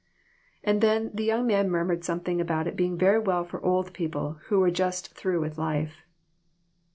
And then the young man murmured something about it being very well for old people who were just through with life.